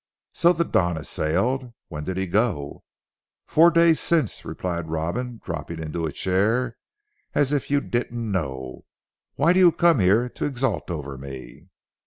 "So the Don has sailed? When did he go?" "Four days since," replied Robin dropping into a chair, "as if you didn't know! Why do you come here to exult over me?"